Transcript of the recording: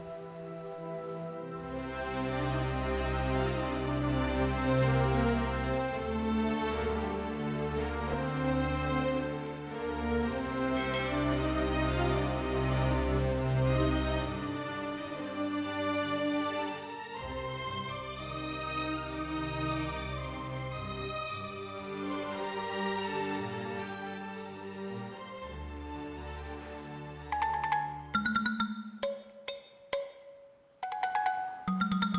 dan membersihkan kita